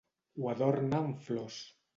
Ho adorna amb flors.